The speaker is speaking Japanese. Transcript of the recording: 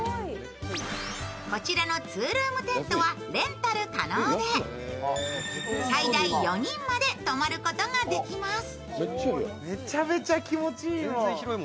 こちらの２ルームテントはレンタル可能で最大４人まで泊まることができます